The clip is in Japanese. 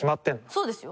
そうですよ。